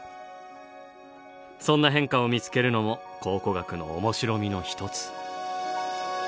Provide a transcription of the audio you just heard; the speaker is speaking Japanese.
そんな変化を見つけるのも考古学の面白みの一つ。